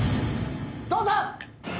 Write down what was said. どうぞ！